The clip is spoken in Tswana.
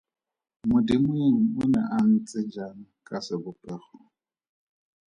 Modimoeng o ne a ntse jang ka sebopego.